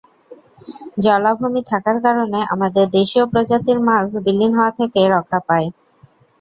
জলাভূমি থাকার কারণে আমাদের দেশীয় প্রজাতির মাছ বিলীন হওয়া থেকে রক্ষা পায়।